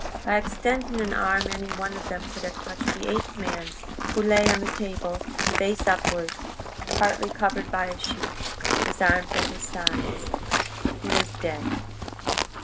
By extending an arm any one of them could have touched the eighth man, who lay on the table, face upward, partly covered by a sheet, his arms at his sides. He was dead.